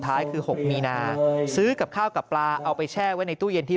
ท้ายคือ๖มีนาซื้อกับข้าวกับปลาเอาไปแช่ไว้ในตู้เย็นที่